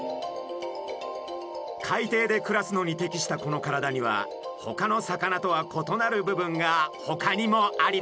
海底で暮らすのに適したこの体にはほかの魚とは異なる部分がほかにもあります。